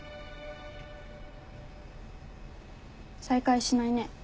再開しないね。